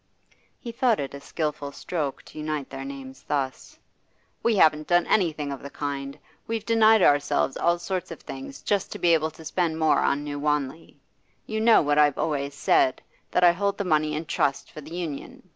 He thought it a skilful stroke to unite their names thus. 'We haven't done anything of the kind; we've denied ourselves all sorts of things just to be able to spend more on New Wanley. You know what I've always said, that I hold the money in trust for the Union.